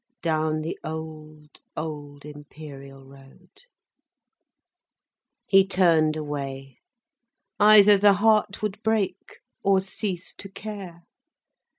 Down the old, old Imperial road? He turned away. Either the heart would break, or cease to care.